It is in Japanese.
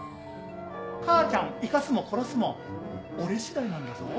母ちゃん生かすも殺すも俺しだいなんだぞ？